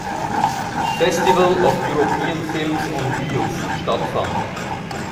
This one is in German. Festival of European Films on Wheels stattfand.